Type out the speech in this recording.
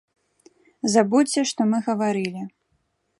Забудзьце, што мы гаварылі.